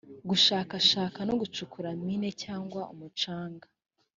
gushakashaka no gucukura mine cyangwa umucanga